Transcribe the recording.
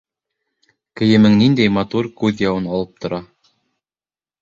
Кейемең ниндәй матур, күҙ яуын алып тора.